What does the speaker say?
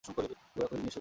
গোরা কহিল, নিশ্চয় করব না।